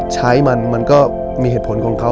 ใช้มันมันก็มีเหตุผลของเขา